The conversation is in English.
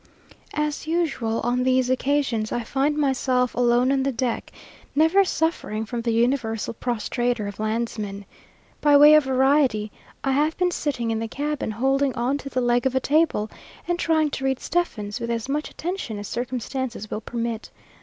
As usual on these occasions, I find myself alone on the deck, never suffering from the universal prostrator of landsmen. By way of variety, I have been sitting in the cabin, holding on to the leg of a table, and trying to read Stephens, with as much attention as circumstances will permit.